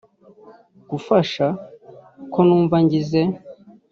ngufasha??? ko numva ngize